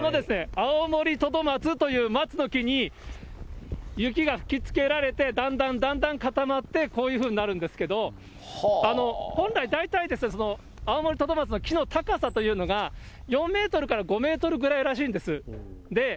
アオモリトドマツという松の木に、雪が吹きつけられて、だんだんだんだん固まって、こういうふうになるんですけれども、本来、大体ですね、アオモリトドマツの木の高さというのが、４メートルから５メートルぐらいらしいんです。